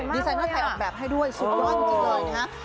ดีไซเนอร์ไทยออกแบบให้ด้วยสุดยอดจริงเลยนะฮะ